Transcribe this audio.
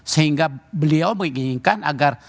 sehingga beliau menginginkan agar